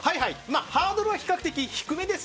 ハードルは比較的低めです。